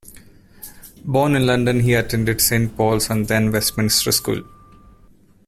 Born in London he attended Saint Paul's and then Westminster School.